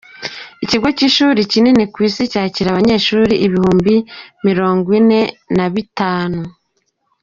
Ikigo cy’ishuri kinini ku isi cyakira abanyeshuri ibihumbi mirongo ine nabitanu